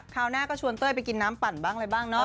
หน้าก็ชวนเต้ยไปกินน้ำปั่นบ้างอะไรบ้างเนาะ